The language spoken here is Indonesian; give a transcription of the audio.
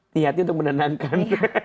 niatnya untuk menenangkan